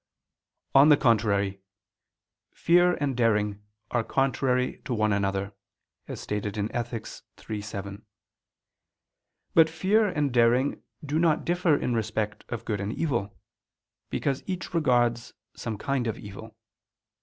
On the contrary, Fear and daring are contrary to one another, as stated in Ethic. iii, 7. But fear and daring do not differ in respect of good and evil: because each regards some kind of evil.